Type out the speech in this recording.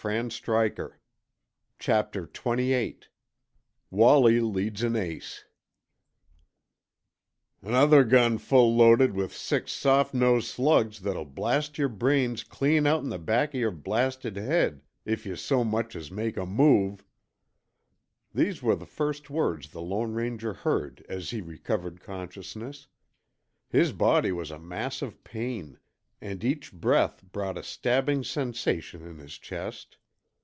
And then oblivion. Chapter XXVIII WALLIE LEADS AN ACE " another gun full loaded with six soft nosed slugs that'll blast yer brains clean outen the back of yer blasted head if yuh so much as make a move." These were the first words the Lone Ranger heard as he recovered consciousness. His body was a mass of pain, and each breath brought a stabbing sensation in his chest.